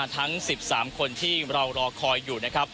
ทั้ง๑๓คนที่เรารอครอยู่